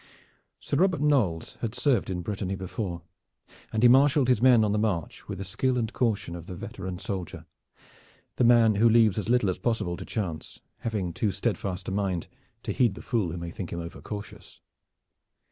Sir Robert Knolles had served in Brittany before, and he marshaled his men on the march with the skill and caution of the veteran soldier, the man who leaves as little as possible to chance, having too steadfast a mind to heed the fool who may think him overcautious.